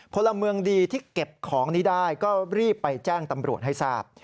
พลเมืองดีที่เก็บของนี้ได้ก็รีบไปแจ้งตำรวจให้ทราบ